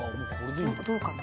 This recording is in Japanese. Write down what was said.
どうかな？